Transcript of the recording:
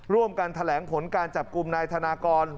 ร่วมกันแถลงผลการจับกลุ่มนายธนากร